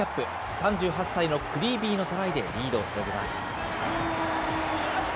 ３８歳のクリービーのトライでリードを広げます。